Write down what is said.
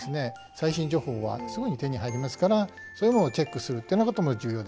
最新情報はすぐに手に入りますからそういうものをチェックするということも重要ですね。